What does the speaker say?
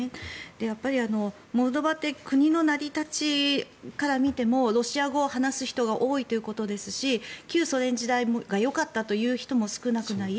やっぱりモルドバって国の成り立ちから見てもロシア語を話す人が多いということですし旧ソ連時代がよかったという人も少なくない。